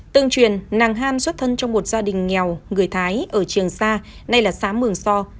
tương truyền nàng ham xuất thân trong một gia đình nghèo người thái ở trường sa nay là xã mường so